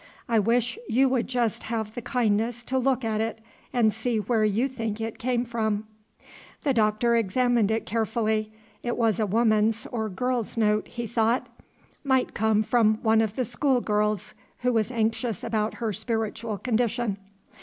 I wish you would just have the kindness to look at it and see where you think it came from." The Doctor examined it carefully. It was a woman's or girl's note, he thought. Might come from one of the school girls who was anxious about her spiritual condition.